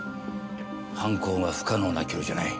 犯行が不可能な距離じゃない。